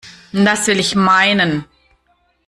Das will ich meinen!